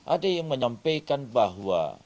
ada yang menyampaikan bahwa